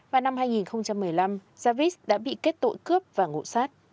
vào năm hai nghìn một mươi năm javis đã bị kết tội cướp và ngộ sát